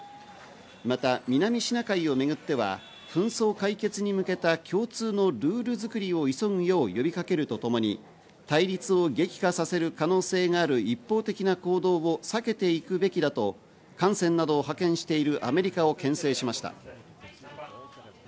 また南シナ海をめぐっては紛争解決に向けた共通のルール作りを急ぐよう呼びかけるとともに、対立を激化させる可能性がある一方的な行動を避けていくべきだと艦船などを派遣しているアメリカを牽制しました。